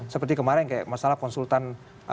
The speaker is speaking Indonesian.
seperti kemarin kayak masalah konsultan